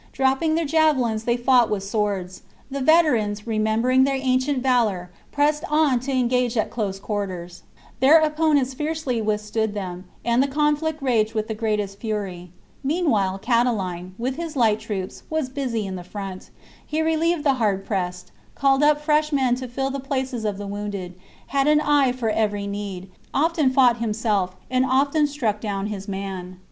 Dropping their javelins, they fought with swords. The veterans, remembering their ancient valour, pressed on to engage at close quarters ; their opponents fiercely withstood them, and the conflict raged with the greatest fury. Meanwhile Catiline, with his light troops, was busy in the front. He relieved the hard pressed, called up fresh men to fill 62 THE CONSPIRACY OF CATILINE. CHAP, the places of the wounded, had an eye for every need, often fought himself, and often struck down his man.